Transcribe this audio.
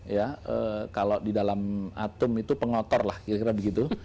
ya kalau di dalam atum itu pengotor lah kira kira begitu